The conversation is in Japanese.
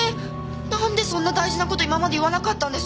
なんでそんな大事な事今まで言わなかったんです？